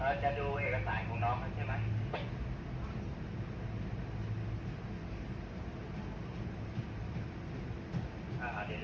เราจะดูเอกสารของน้องเขาใช่ไหม